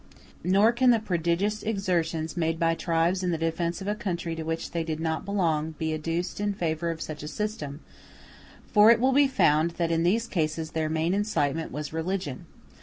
Nor can the prodigious exertions made by tribes in the defence of a country to which they did not belong be adduced in favor of such a system; for it will be found that in these cases their main incitement was religion.